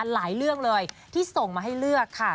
หลายเรื่องเลยที่ส่งมาให้เลือกค่ะ